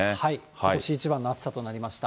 ことし一番の暑さとなりました。